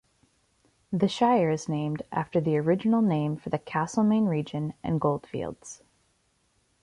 The Shire is named after the original name for the Castlemaine region and goldfields.